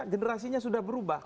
generasinya sudah berubah